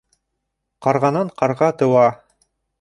Ҡарғанан ҡарға тыуа.